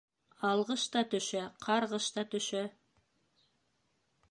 Алғыш та төшә, ҡарғыш та төшә.